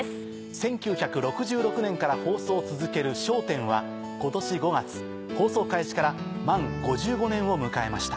１９６６年から放送を続ける『笑点』は今年５月放送開始から満５５年を迎えました。